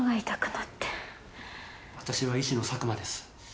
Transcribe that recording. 私は医師の佐久間です。